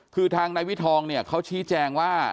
คือทางนายวิทองเนี่ยเขาชี้แจงว่า